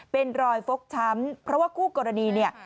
เป็นรอยฟกช้ำเพราะว่าคู่กรณีเนี่ย